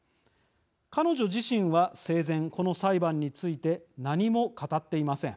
彼女自身は生前この裁判について何も語っていません。